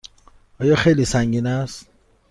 آیا خیلی سنگین است؟